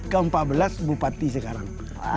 ke empat belas bupati sekarang